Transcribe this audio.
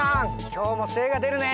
今日も精が出るね